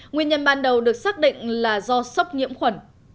nguyên nhân ban đầu được xác định là do sốc nhiễm khuẩn